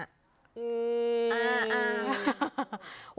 อืม